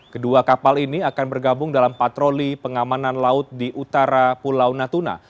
kedua kapal ini akan bergabung dalam patroli pengamanan laut di utara pulau natuna